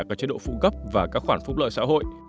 cả chế độ phụ cấp và các khoản phúc lợi xã hội